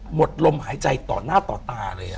หมดลมหายใจต่อหน้าต่อตาเลย